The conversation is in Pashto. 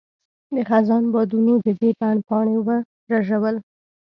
د خزان بادونو د دې بڼ پاڼې ورژول.